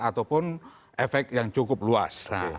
ataupun efek yang cukup luas